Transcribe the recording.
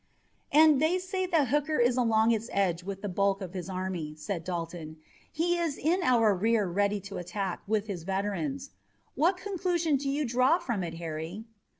"And they say that Hooker is along its edge with the bulk of his army," said Dalton. "He is in our rear ready to attack with his veterans. What conclusion do you draw from it, Harry?"